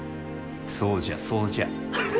そうじゃそうじゃ。